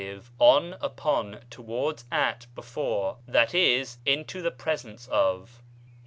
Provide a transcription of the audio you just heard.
on, upon, towards, at, before (ὦ. 6. in to the presence of).